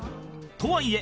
とはいえ